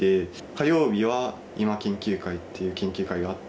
火曜日は今研究会っていう研究会があって。